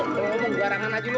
lo mau garangan aja lo